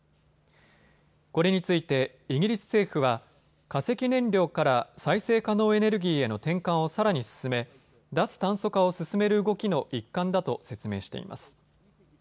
これについてイギリス政府は化石燃料から再生可能エネルギーへの転換をさらに進め、脱炭素化を進める動きの一環だと説明しています。